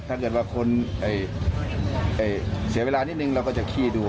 ถ้าเกิดว่าคนเสียเวลานิดนึงเราก็จะขี้ดู